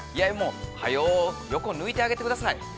◆早う横を抜いてあげてください。